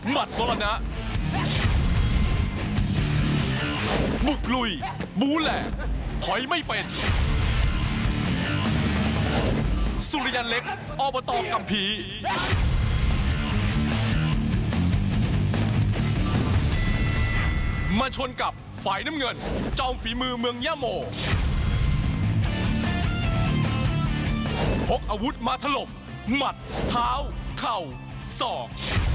เมืองย่าโหมกอาวุธมาทะลมหมัดเท้าเข่าส่อม